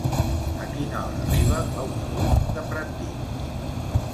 A quina hora arriba l'autobús de Pratdip?